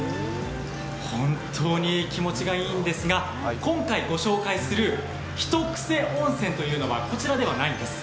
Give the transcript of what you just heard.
本当に気持ちがいいんですが今回紹介するひとクセ温泉というのはこちらではないんです。